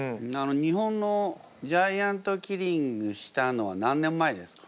日本のジャイアントキリングしたのは何年前ですか？